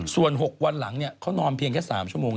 ส่วน๖วันหลังเขานอนเพียงแค่๓ชั่วโมง